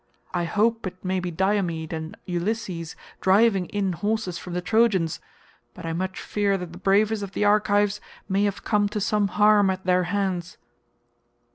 I hope it may be Diomed and Ulysses driving in horses from the Trojans, but I much fear that the bravest of the Argives may have come to some harm at their hands."